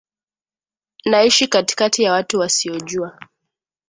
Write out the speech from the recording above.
Naishi katikati ya watu wasiojua